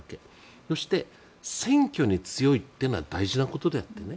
そして、選挙に強いというのは大事なことだというね。